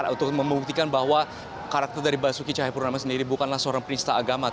untuk membuktikan bahwa karakter dari basuki cahayapurnama sendiri bukanlah seorang penista agama